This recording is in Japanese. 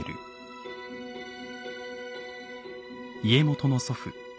家元の祖父